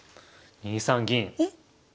２三銀。